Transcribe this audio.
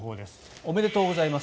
おめでとうございます。